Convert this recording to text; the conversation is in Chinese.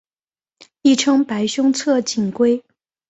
亦称白胸侧颈龟。